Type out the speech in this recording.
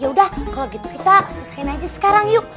yaudah kalo gitu kita selesain aja sekarang yuk